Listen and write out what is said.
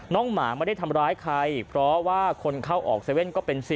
หมาไม่ได้ทำร้ายใครเพราะว่าคนเข้าออก๗๑๑ก็เป็น๑๐